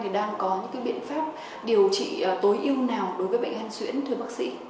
đang có những biện pháp điều trị tối ưu nào đối với bệnh hen xuyễn thưa bác sĩ